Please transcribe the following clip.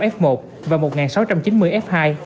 ba trăm bảy mươi năm f một và một sáu trăm chín mươi f hai